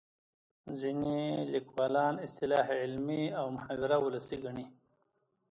ځینې لیکوالان اصطلاح علمي او محاوره ولسي ګڼي